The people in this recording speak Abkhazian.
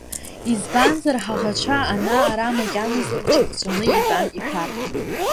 Избанзар ҳаӷацәа ана-ара макьаназы рҽыҵәахны итәан, ишәарҭан.